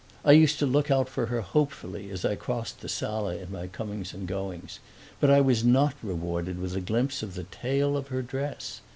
I used to look out for her hopefully as I crossed the sala in my comings and goings, but I was not rewarded with a glimpse of the tail of her dress.